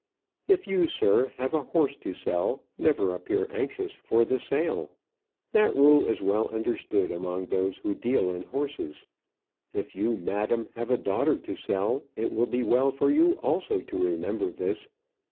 If you, sir, have a horse to sell, never appear anxious for the sale. That rule is well understood among those who deal in horses. If you, madam, have a daughter to sell, it will be well for you also to remember this.